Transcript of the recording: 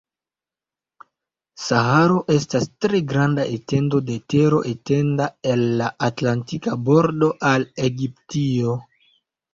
Saharo estas tre granda etendo de tero etenda el la Atlantika bordo al Egiptio.